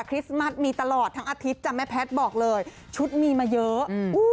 ริสต์มัสมีตลอดทั้งอาทิตย์จ้ะแม่แพทย์บอกเลยชุดมีมาเยอะอืม